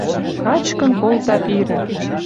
Качкын колта пирӹ!